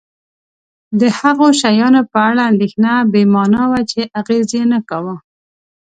د هغو شیانو په اړه اندېښنه بې مانا وه چې اغېز یې نه کاوه.